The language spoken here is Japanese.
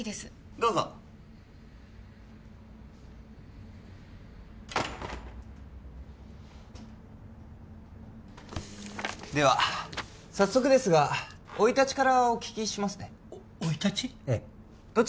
どうぞでは早速ですが生い立ちからお聞きしますねお生い立ち？